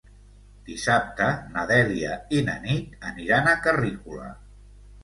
Dissabte na Dèlia i na Nit aniran a Carrícola.